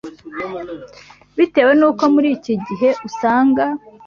Bitewe n’uko muri iki gihe usanga